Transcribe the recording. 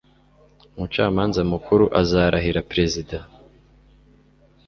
Umucamanza mukuru azarahira perezida.